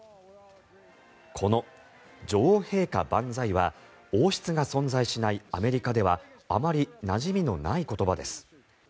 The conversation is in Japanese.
この女王陛下万歳は王室が存在しないアメリカではあまりなじみのない言葉です。